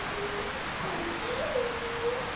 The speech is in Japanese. おいしイ。